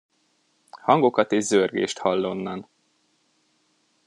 Hangokat és zörgést hall onnan.